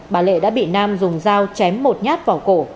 bà lệ đã bị nam dùng dao chém một nhát vào cổ